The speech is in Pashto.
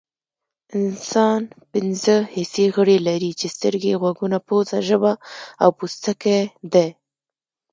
انسان پنځه حسي غړي لري چې سترګې غوږونه پوزه ژبه او پوستکی دي